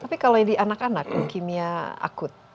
tapi kalau ini anak anak leukemia akut